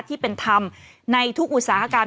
ที่เป็นธรรมในทุกอุตสาหกรรม